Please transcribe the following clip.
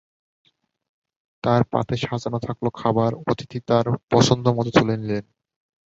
তার চেয়ে সাজানো থাকল খাবার, অতিথি তাঁর পাতে পছন্দমতো তুলে নিলেন।